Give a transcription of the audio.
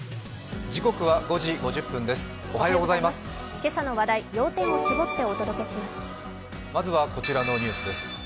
今朝の話題、要点を絞ってお届けします。